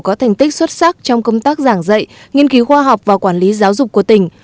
có thành tích xuất sắc trong công tác giảng dạy nghiên cứu khoa học và quản lý giáo dục của tỉnh